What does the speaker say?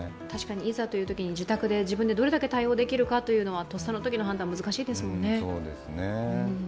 確かにいざというときに自宅で自分でどれだけ対応できるかというのはとっさのときの判断、難しいですもんね。